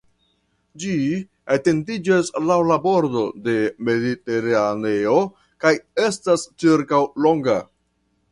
Ĝi etendiĝas laŭ la bordo de Mediteraneo kaj estas ĉirkaŭ longa.